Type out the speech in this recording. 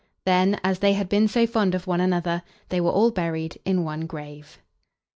Then, as they had been so fond of one another, they were all buried in one grave.